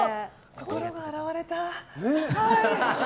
心が洗われた。